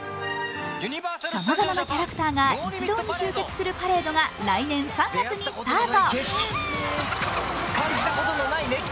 さまざまなキャラクターが一堂に集結するパレードが来年３月にスタート。